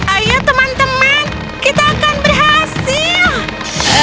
ayo teman teman kita akan berhasil